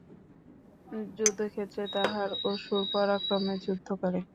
যুদ্ধক্ষেত্রে তাহারা অসুর-পরাক্রমে যুদ্ধ করে।